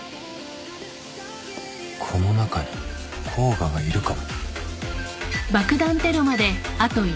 この中に甲賀がいるかも